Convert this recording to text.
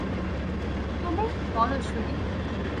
তুমিই বল শুনি।